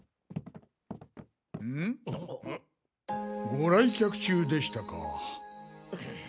ご来客中でしたか。